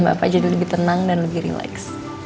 bapak jadi lebih tenang dan lebih rileks